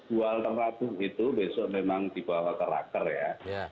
bual tempat itu besok memang dibawa ke raker ya